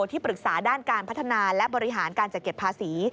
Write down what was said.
ที่ปรึกษาด้านการพัฒนาและบริหารการจัดเก็บภาษี